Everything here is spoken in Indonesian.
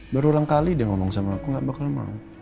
berulang kali dia ngomong sama aku gak bakal mau